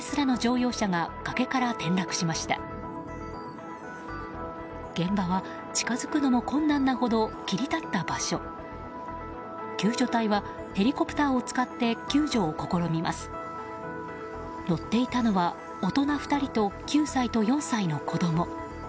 乗っていたのは大人２人と、９歳と４歳の子供。